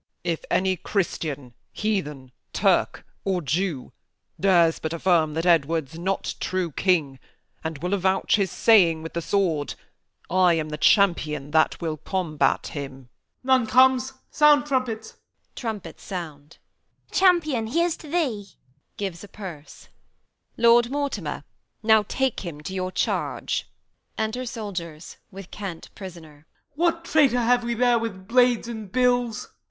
Cham. If any Christian, Heathen, Turk, or Jew, Dares but affirm that Edward's not true king, And will avouch his saying with the sword, I am the Champion that will combat him. Y. Mor. None comes: sound, trumpets! [Trumpets. K. Edw. Third. Champion, here's to thee. [Gives purse. Q. Isab. Lord Mortimer, now take him to your charge. Enter Soldiers with KENT prisoner. Y. Mor. What traitor have we there with blades and bills?